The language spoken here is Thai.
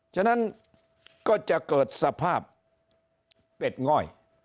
ฉะนั้นก็จะเกิดสภาพเป็ดง่อย